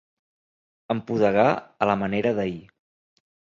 Empudegar a la manera d'ahir.